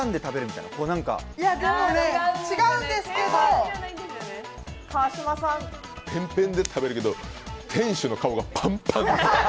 いや、違うんですけどペンペンで食べるけど、店主の顔がパンパン。